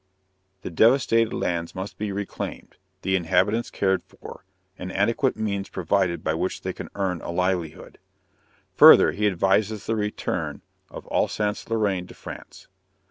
The devastated lands must be reclaimed, the inhabitants cared for, and adequate means provided by which they can earn a livelihood. Further, he advises the return of Alsace Lorraine to France.